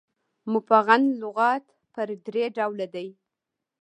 مفغن لغات پر درې ډوله دي.